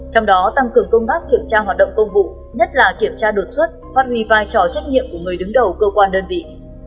trong đó tăng cường công tác kiểm tra hoạt động công vụ nhất là kiểm tra đột xuất phát huy vai trò trách nhiệm của người đứng đầu cơ quan đơn vị